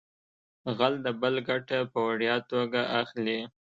غل د بل ګټه په وړیا توګه اخلي